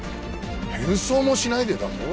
変装もしないでだと？